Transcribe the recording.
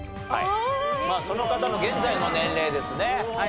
その方の現在の年齢ですね。